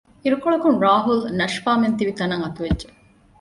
އިރުކޮޅަކުން ރާހުލް ނަޝްފާމެން ތިބި ތަނަށް އަތުވެއްޖެ